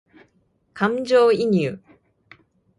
感情移入